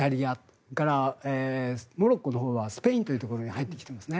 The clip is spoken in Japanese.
それから、モロッコのほうはスペインというところに入ってきていますね。